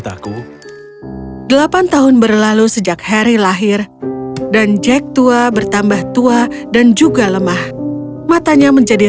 aku akan mulai mandi